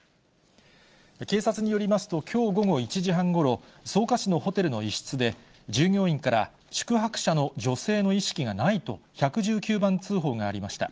警察によりますと、きょう午後１時半ごろ、草加市のホテルの一室で、従業員から、宿泊者の女性の意識がないと、１１９番通報がありました。